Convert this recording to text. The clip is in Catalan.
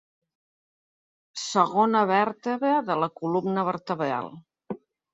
Segona vèrtebra de la columna vertebral.